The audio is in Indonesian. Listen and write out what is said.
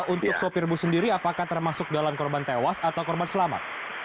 untuk sopir bus sendiri apakah termasuk dalam korban tewas atau korban selamat